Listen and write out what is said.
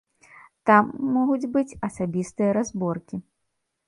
Там могуць быць асабістыя разборкі.